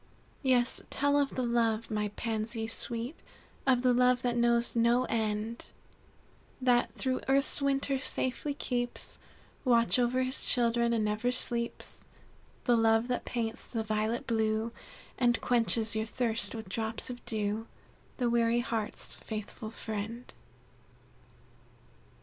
"Yes, tell of the love, my Pansies sweet, Of the love that knows no end; That through earth's winter safely keeps Watch over his children, and never sleeps; The love that paints the violet blue, And quenches your thirst with drops of dew, The weary heart's faithful friend."